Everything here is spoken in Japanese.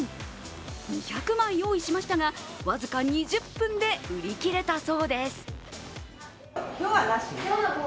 ２００枚用意しましたが僅か２０分で売り切れたそうです。